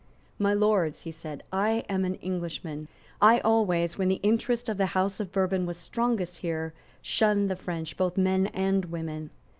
"My Lords," he said, "I am an Englishman. I always, when the interest of the House of Bourbon was strongest here, shunned the French, both men and women.